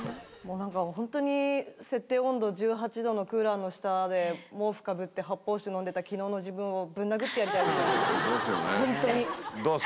なんか本当に、設定温度１８度のクーラーの下で毛布かぶって発泡酒飲んでたきのうの自分を、ぶん殴ってやりたいです。